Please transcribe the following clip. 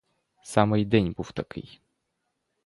Саме й день був такий.